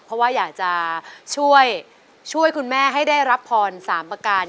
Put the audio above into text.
เพราะว่าอยากจะช่วยคุณแม่ให้ได้รับพร๓ประการ